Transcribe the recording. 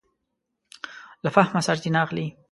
له فهمه سرچینه اخلي.